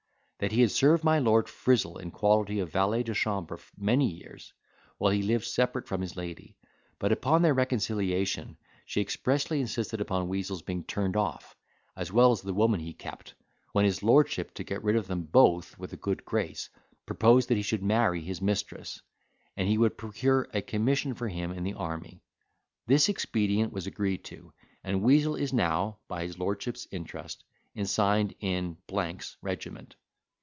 That he had served my Lord Frizzle in quality of valet de chambre many years, while he lived separate from his lady; but, upon their reconciliation, she expressly insisted upon Weazel's being turned off, as well as the woman he kept: when his lordship, to get rid of them both with a good grace, proposed that he should marry his Mistress, and he would procure a commission for him in the army: this expedient was agreed to, and Weazel is now, by his lordship's interest, ensigned in —'s regiment.